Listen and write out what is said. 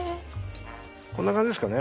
こんな感じですかね。